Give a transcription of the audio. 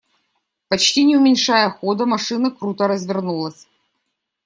Почти не уменьшая хода, машина круто развернулась.